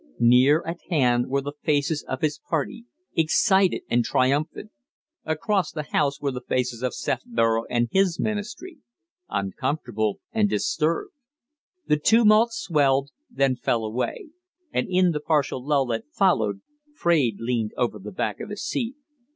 Near at hand were the faces of his party, excited and triumphant; across the house were the faces of Sefborough and his Ministry, uncomfortable and disturbed. The tumult swelled, then fell away; and in the partial lull that followed Fraide leaned over the back of his seat.